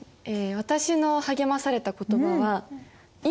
私の励まされた言葉はお。